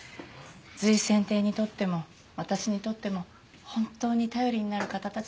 瑞泉亭にとっても私にとっても本当に頼りになる方たちです。